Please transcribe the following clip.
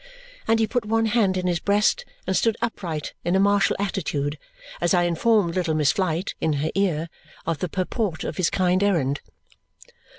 And he put one hand in his breast and stood upright in a martial attitude as I informed little Miss Flite, in her ear, of the purport of his kind errand.